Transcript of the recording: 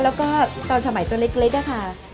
แล้วก็ตอนสมัยตัวเล็กอะค่ะ